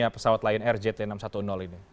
pesawat lain rzt enam ratus sepuluh ini